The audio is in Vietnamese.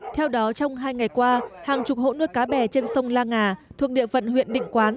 theo đó trong hai ngày qua hàng chục hộ nuôi cá bè trên sông la ngà thuộc địa phận huyện định quán